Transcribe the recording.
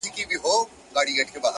نن مي بيا ټوله شپه_